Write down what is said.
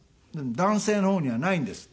男性のほうにはないんです。